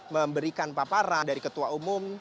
memberikan paparan dari ketua umum